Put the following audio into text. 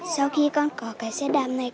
sau khi con có cái xe đạp này